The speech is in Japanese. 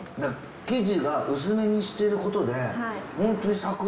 生地が薄めにしてることで。